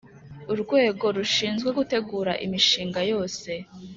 Urwego rushinzwe gutegura imishinga yose